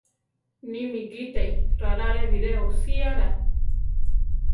Nimí gite rarare biré oshiara.